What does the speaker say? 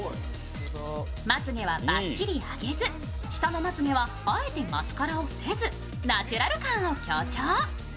まつげはばっちり上げず、下のまつげはあえてマスカラをせずナチュラル感を強調。